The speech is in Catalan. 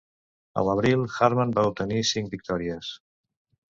A l'abril, Hartmann va obtenir cinc victòries.